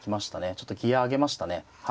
ちょっとギヤ上げましたね。